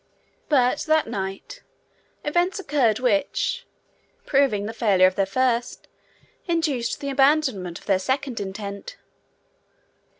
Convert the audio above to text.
But that night events occurred which, proving the failure of their first, induced the abandonment of their second, intent.